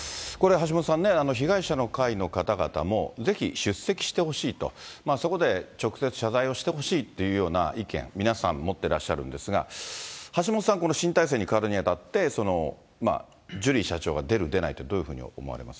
橋下さんね、被害者の会の方々も、ぜひ出席してほしいと、そこで直接謝罪をしてほしいっていうような意見、皆さん持ってらっしゃるんですが、橋下さん、この新体制に変わるにあたって、ジュリー社長が出る、出ないってどういうふうに思われます？